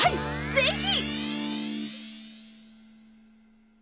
ぜひ！